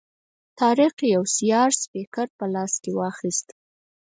طارق یو سیار سپیکر په لاس کې واخیست.